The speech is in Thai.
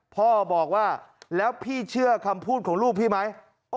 พ่อบอกว่าแล้วพี่เชื่อคำพูดของลูกพี่ไหม